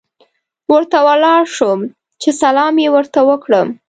ورته ولاړ شوم چې سلام یې ورته وکړم.